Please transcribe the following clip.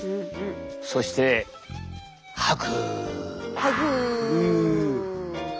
そして吐く。